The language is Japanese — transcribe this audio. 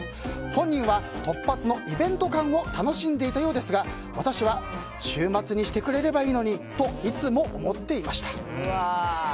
本人は突発のイベント感を楽しんでいたようですが私は週末にしてくれればいいのにといつも思っていました。